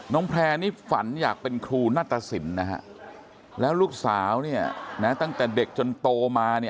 แพร่นี่ฝันอยากเป็นครูนัตตสินนะฮะแล้วลูกสาวตั้งแต่เด็กจนโตมา